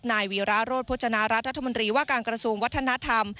นายวีระโรธพจนารัฐรัฐมนตรีว่าการกระทรวงวัฒนธรรม